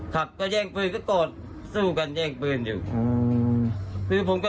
ใช่ก็แย่งปืนสู้กันแย่งปืนอยู่